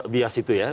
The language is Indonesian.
bias itu ya